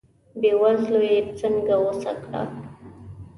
بې وزلي یې څنګه غوڅه کړه.